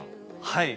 はい。